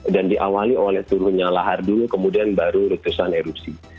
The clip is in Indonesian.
dan diawali oleh turunnya lahar dulu kemudian baru retusan erupsi